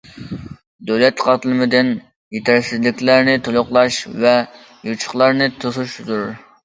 دۆلەت قاتلىمىدىن يېتەرسىزلىكلەرنى تولۇقلاش ۋە يوچۇقلارنى توسۇش زۆرۈر.